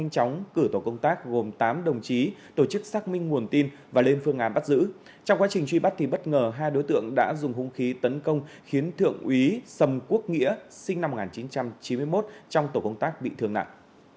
trong quá trình truy bắt thì bất ngờ hai đối tượng đã dùng hung khí tấn công khiến thượng úy sầm quốc nghĩa sinh năm một nghìn chín trăm chín mươi một trong tổ công tác bị thương nặng